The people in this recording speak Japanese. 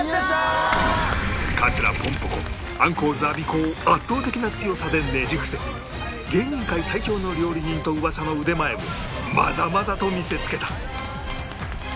桂ぽんぽ娘アンコウズアビコを圧倒的な強さでねじ伏せ芸人界最強の料理人と噂の腕前をまざまざと見せつけた